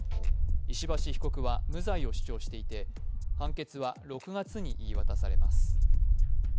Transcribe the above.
石橋被告は無罪を主張していて判決は６月に言い渡されます。